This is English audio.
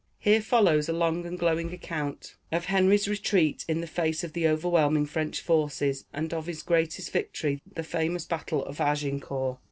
[Here follows a long and glowing account of Henry's retreat in the face of the overwhelming French forces, and of his greatest victory, the famous battle of Agincourt.